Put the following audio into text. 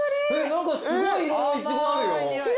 何かすごい色のいちごあるよ。